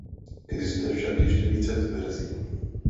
Existuje však ještě více verzí.